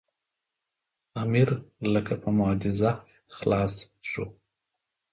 امیر لکه په معجزه خلاص شو.